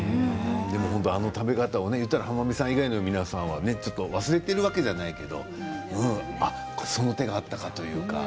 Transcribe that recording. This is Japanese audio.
あの食べ方は浜辺さん以外の皆さんが忘れているわけではないけれどその手があったかというか。